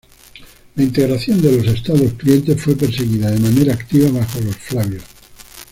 La integración de los estados clientes fue perseguida de manera activa bajo los flavios.